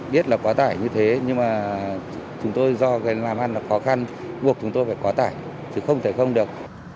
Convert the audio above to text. biết là quá tải như thế nhưng mà chúng tôi do cái làm ăn là khó khăn buộc chúng tôi phải quá tải chứ không thể không được